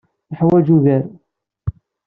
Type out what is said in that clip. Neḥwaj ugar.